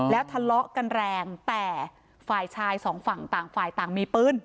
แล้วทะเลาะกันแรงแต่ฝ่ายชายสองฝั่งต่างฝ่ายต่างมีปืน